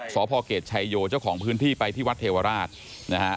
สพเกตชัยโยเจ้าของพื้นที่ไปที่วัดเทวราชนะฮะ